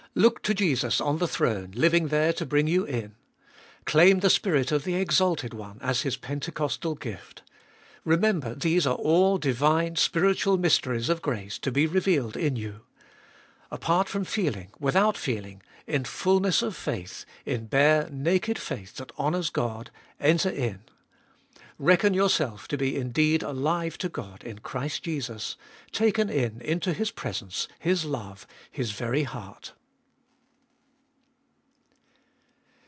Look to Jesus on the throne, living there to bring you in. Claim the Spirit of the exalted One as His Pentecostal gift Remember these are all divine, spiritual mysteries of grace, to be revealed in you. Apart from feeling, without feeling, in fulness of faith, in bare, naked faith that honours God, enter in. Reckon yourself to be indeed alive to God in Christ Jesus, taken in into His presence, His love, His very heart.